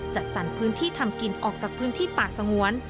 จัดสรรพื้นที่ทำกินออกจากพื้นที่ป่าสงวน